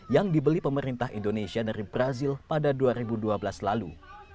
yang dibeli pemerintah indonesia dari brazil pada dua ribu dua belas lalu